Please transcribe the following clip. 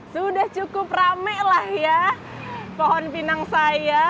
sudah cukup rame lah ya pohon pinang saya